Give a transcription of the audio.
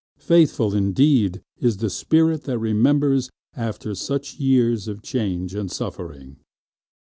Faithful indeed is the spirit that remembers After such years of change and suffering!